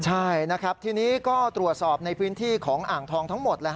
ใช่นะครับทีนี้ก็ตรวจสอบในพื้นที่ของอ่างทองทั้งหมด